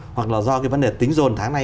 hoặc là do cái vấn đề tính dồn tháng này